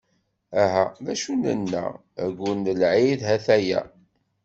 Aha! D acu nenna, aggur n lɛid ha-t-aya.